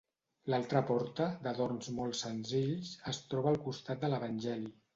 L'altra porta, d'adorns molt senzills, es troba al costat de l'evangeli.